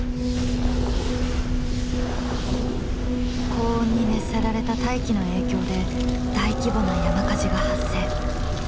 高温に熱せられた大気の影響で大規模な山火事が発生。